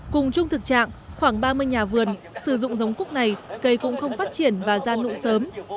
cùng chung thực trạng khoảng ba mươi nhà vườn sử dụng giống cúc này cây cũng không phát triển và ra nụ sớm